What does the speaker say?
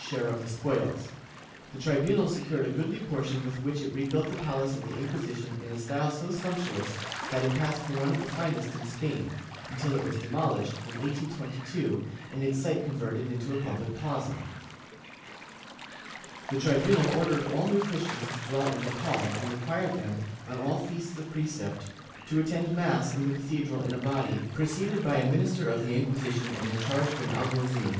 I] THE MALLORQUIN TRIBUNAL 307 share of the spoils; the tribunal secured a goodly portion with which it rebuilt the palace of the Inquisition in a style so sump tuous that it passed for one of the finest in Spain, until it was demoHshed, in 1822, and its site converted into a public plaza/ The tribunal ordered all New Christians to dwell in the call and required them, on all feasts of precept, to attend mass in the cathedral in a body, preceded by a minister of the Inquisition and in charge of an alguazil.